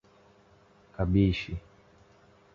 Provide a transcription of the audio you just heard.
Cabixi